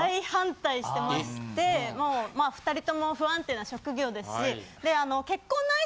２人とも不安定な職業ですし。